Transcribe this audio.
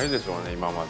今まで。